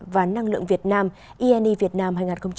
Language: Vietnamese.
và năng lượng việt nam e e việt nam hai nghìn hai mươi bốn